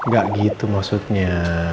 gak gitu maksudnya